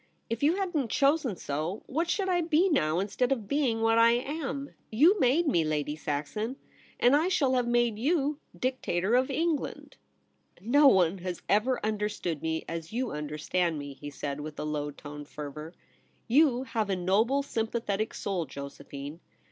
If you hadn't chosen so, what should I be now, instead of being what I am ? You made me Lady Saxon, and I shall have made you Dictator of England.' ox THE TERRACE. 55 * No one has ever understood me as you understand me,' he said, with low toned fer vour. ' You have a noble, sympathetic soul, Josephine.